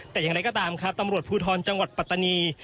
แต่อย่างไรก็ตามตำรวจภูทรจังหวัดปตตนีย์